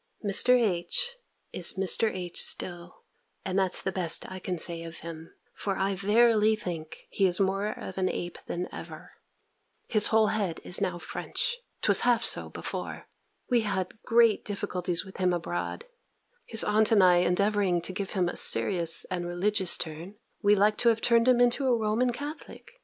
Mr. H. is Mr. H. still; and that's the best I can say of him; for I verily think, he is more of an ape than ever. His whole head is now French. 'Twas half so before. We had great difficulties with him abroad: his aunt and I endeavouring to give him a serious and religious turn, we had like to have turned him into a Roman Catholic.